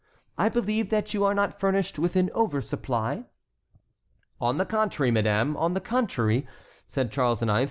I believe that you are not furnished with an over supply." "On the contrary, madame, on the contrary," said Charles IX.